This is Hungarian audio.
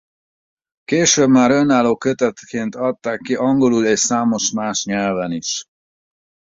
Később már önálló kötetként adták ki angolul és számos más nyelven is.